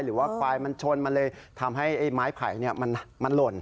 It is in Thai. หรือว่าควายมันชนมันเลยทำให้ไอ้ไม้ไผ่มันหล่น